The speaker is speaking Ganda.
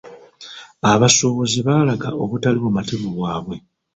Abasuubuzi baalaga obutali bumativu bwabwe.